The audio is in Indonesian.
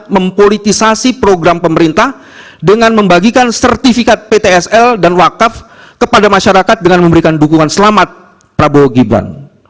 mempolitisasi program pemerintah dengan membagikan sertifikat ptsl dan wakaf kepada masyarakat dengan memberikan dukungan selamat prabowo gibran